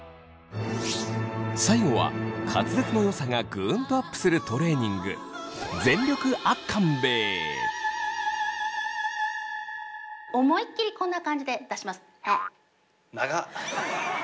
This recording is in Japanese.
最後は滑舌の良さがグンとアップするトレーニング思いっきりこんな感じで出します。